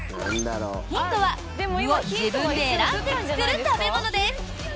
ヒントは具を自分で選んで作る食べ物です！